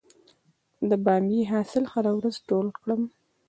د بامیې حاصل هره ورځ ټول کړم؟